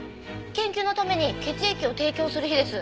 研究のために血液を提供する日です。